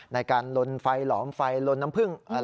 ในการลนไฟหลอมไฟลนน้ำผึ้ง